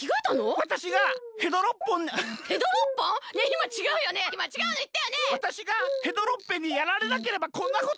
わたしがヘドロッペンにやられなければこんなことには。